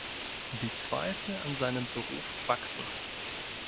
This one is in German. Die Zweifel an seinem Beruf wachsen.